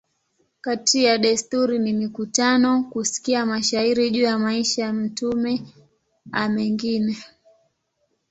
Kati ya desturi ni mikutano, kusikia mashairi juu ya maisha ya mtume a mengine.